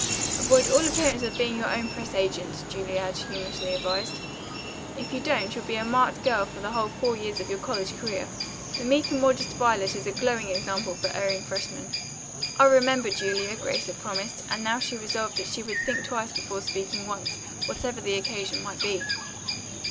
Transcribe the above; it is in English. "Avoid all appearance of being your own press agent," Julia had humorously advised. "If you don't you'll be a marked girl for the whole four years of your college career. The meek and modest violet is a glowing example for erring freshmen." "I'll remember, Julia," Grace had promised, and she now resolved that she would think twice before speaking once, whatever the occasion might be.